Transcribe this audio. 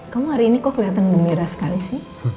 kamu hari ini kok kelihatan gembira sekali sih